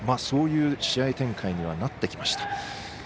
そういう試合展開にはなってきました。